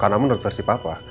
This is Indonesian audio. karena menurut versi papa